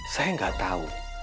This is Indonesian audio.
saya gak tau